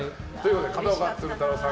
片岡鶴太郎さん